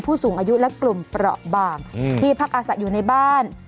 ผู้สูงอายุและกลุ่มเปราะบางที่พักอาศัยอยู่ในบ้าน